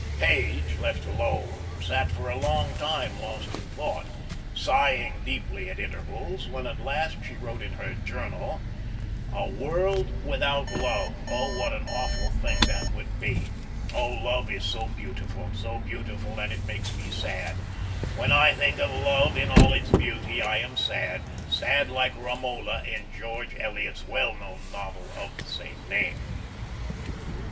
Page, left alone, sat for a long time lost in thought, sighing deeply at intervals, then at last she wrote in her journal: "A world without Love oh, what an awful thing that would be. Oh, love is so beautiful so beautiful, that it makes me sad. When I think of love in all its beauty I am sad, sad like Romola in George Eliot's well known novel of the same name."